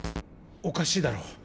おかしいだろ。